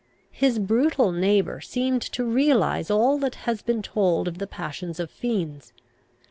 His brutal neighbour seemed to realise all that has been told of the passions of fiends.